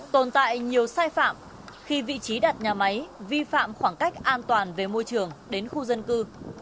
tồn tại nhiều sai phạm khi vị trí đặt nhà máy vi phạm khoảng cách an toàn về môi trường đến khu dân cư